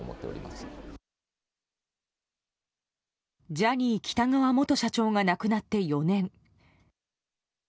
ジャニー喜多川元社長が亡くなって４年。